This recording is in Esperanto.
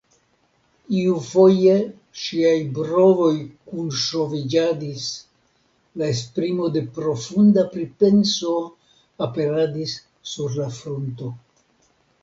Iufoje ŝiaj brovoj kunŝoviĝadis, la esprimo de profunda pripenso aperadis sur la frunto.